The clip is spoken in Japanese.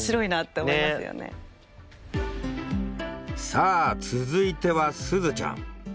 さあ続いてはすずちゃん。